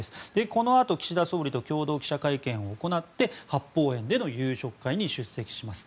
このあと岸田総理と共同記者会見を行って八芳園での夕食会に参加します。